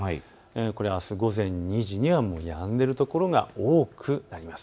これはあす午前２時にはもうやんでいる所が多くなります。